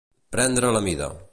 Prendre la mida.